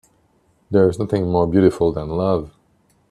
There's nothing more beautiful than love.